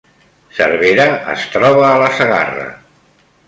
Cervera es troba a la Segarra